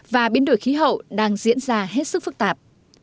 và biến đổi khí hậu đang diễn ra hết sức phức tạp